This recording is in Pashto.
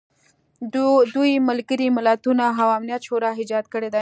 دوی ملګري ملتونه او امنیت شورا ایجاد کړي دي.